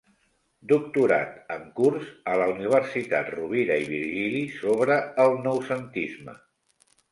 Doctorat en curs a la Universitat Rovira i Virgili, sobre el Noucentisme.